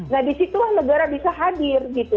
nah disitu lah negara bisa hadir gitu